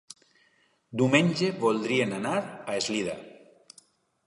Diumenge voldrien anar a Eslida.